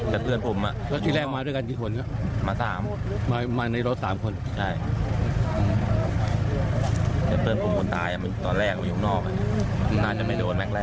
กับเพื่อนผมอ่ะรถที่แรกมาด้วยกันกี่คนครับมา๓มาในรถ๓คนใช่